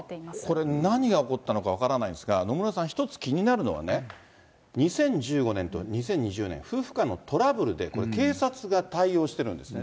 これ、何が起こったのか分からないんですが、野村さん、ひとつきになるのがね、２０１５年と２０２０年、夫婦間のトラブルで警察が対応してるんですね。